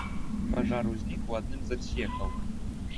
Пажар узнік у адным з адсекаў.